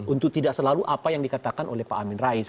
untuk tidak selalu apa yang dikatakan oleh pak amin rais